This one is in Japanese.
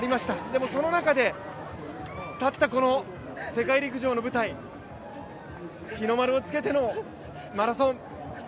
でもその中で、立ったこの世界陸上の舞台日の丸をつけてのマラソン。